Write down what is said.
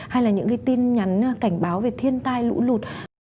hay là những cái tin nhắn cảnh báo về thiên tai lũ lụt